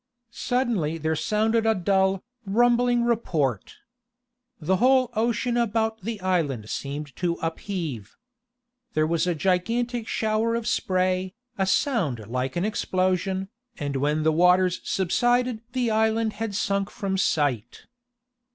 Suddenly there sounded a dull, rumbling report. The whole ocean about the island seemed to upheave. There was a gigantic shower of spray, a sound like an explosion, and when the waters subsided the island had sunk from sight.